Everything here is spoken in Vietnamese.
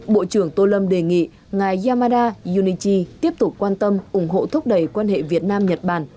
bộ trưởng tô lâm đề nghị ngài yamada junichi tiếp tục quan tâm ủng hộ thúc đẩy quan hệ việt nam nhật bản